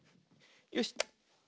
よし。